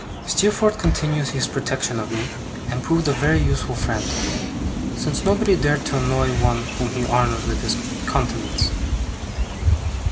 Steerforth continued his protection of me, and proved a very useful friend; since nobody dared to annoy one whom he honoured with his countenance.